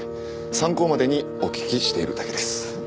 参考までにお聞きしているだけです。